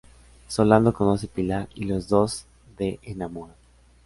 Solano conoce Pilar y los dos de enamoran.